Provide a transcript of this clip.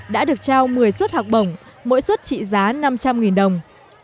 đã được trao một mươi suất học bổng mỗi suất trị giá năm trăm linh đồng